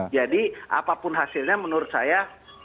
jadi apapun hasilnya menurut saya